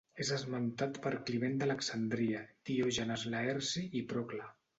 És esmentat per Climent d'Alexandria, Diògenes Laerci i Procle.